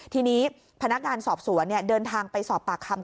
ทีนี้พนักงานสอบสวนเดินทางไปสอบปากคำ